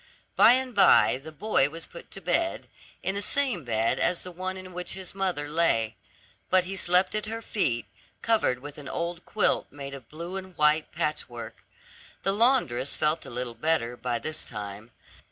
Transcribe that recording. By and by the boy was put to bed, in the same bed as the one in which his mother lay; but he slept at her feet, covered with an old quilt made of blue and white patchwork. The laundress felt a little better by this time.